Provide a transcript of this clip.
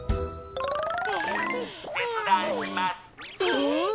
え。